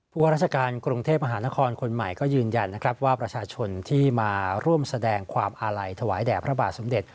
ว่าราชการกรุงเทพมหานครคนใหม่ก็ยืนยันนะครับว่าประชาชนที่มาร่วมแสดงความอาลัยถวายแด่พระบาทสมเด็จ